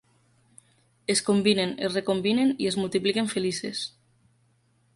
Es combinen, es recombinen i es multipliquen felices.